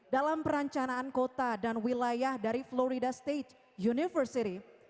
dalam perancanaan kota dan wilayah dari florida stage university